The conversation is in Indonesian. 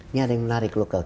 ini ada yang menarik lokal